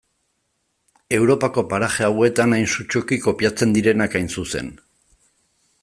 Europako paraje hauetan hain sutsuki kopiatzen direnak hain zuzen.